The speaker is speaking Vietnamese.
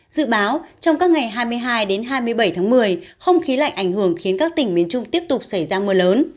dự báo trong các ngày hai mươi hai hai mươi bảy tháng một mươi không khí lạnh ảnh hưởng khiến các tỉnh miền trung tiếp tục xảy ra mưa lớn